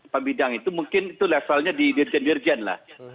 pemidang itu mungkin levelnya di dirjen dirjen lah